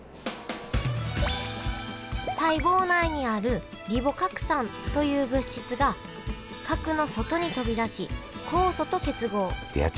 細胞内にあるリボ核酸という物質が核の外に飛び出し酵素と結合。